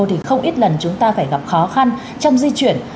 thì không ít lần chúng ta phải gặp khó khăn trong di chuyển